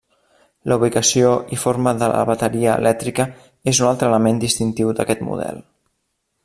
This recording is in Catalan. La ubicació i forma de la bateria elèctrica és un altre element distintiu d'aquest model.